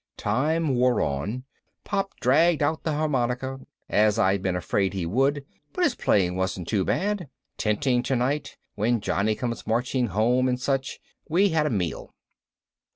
Time wore on. Pop dragged out the harmonica, as I'd been afraid he would, but his playing wasn't too bad. "Tenting Tonight," "When Johnnie Comes Marching Home," and such. We had a meal.